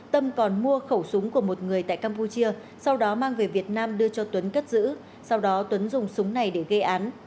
tâm còn mua khẩu súng của một người tại campuchia sau đó mang về việt nam đưa cho tuấn cất giữ sau đó tuấn dùng súng này để gây án